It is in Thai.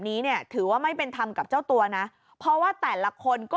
นี้เนี่ยถือว่าไม่เป็นธรรมกับเจ้าตัวนะเพราะว่าแต่ละคนก็